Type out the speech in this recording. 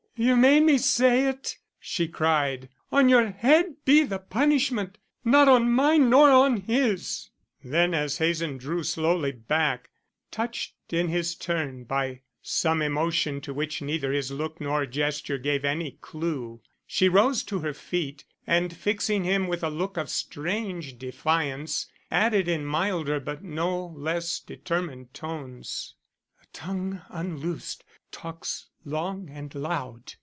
"You made me say it," she cried. "On your head be the punishment, not on mine nor on his." Then as Hazen drew slowly back, touched in his turn by some emotion to which neither his look nor gesture gave any clew, she rose to her feet, and fixing him with a look of strange defiance, added in milder but no less determined tones: "A tongue unloosed talks long and loud.